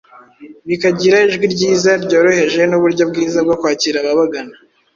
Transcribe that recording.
bakagira ijwi ryiza ryoroheje n’uburyo bwiza bwo kwakira ababagana